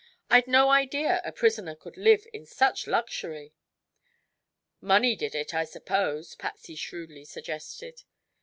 I'd no idea a prisoner could live in such luxury." "Money did it, I suppose," Patsy shrewdly suggested.